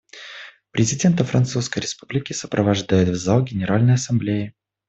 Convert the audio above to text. Президента Французской Республики сопровождают в зал Генеральной Ассамблеи.